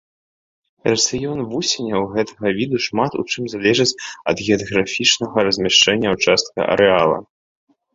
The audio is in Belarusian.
Рацыён вусеняў гэтага віду шмат у чым залежыць ад геаграфічнага размяшчэння ўчастка арэала.